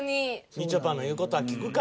みちょぱの言う事は聞くか。